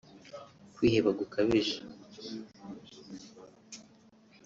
kwiheba gukabije